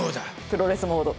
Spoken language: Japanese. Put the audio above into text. プロレスモード。